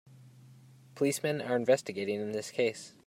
Policemen are investigating in this case.